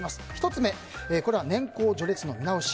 １つ目は年功序列の見直し